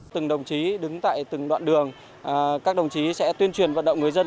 từng đồng chí đứng tại từng đoạn đường các đồng chí sẽ tuyên truyền vận động người dân